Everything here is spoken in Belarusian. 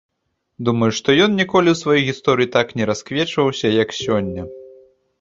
Думаю, што ён ніколі ў сваёй гісторыі так не расквечваўся, як сёння.